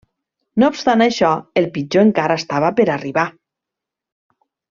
No obstant això, el pitjor encara estava per arribar.